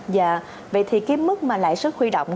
dạ vậy thì cái mức lãi suất khuy động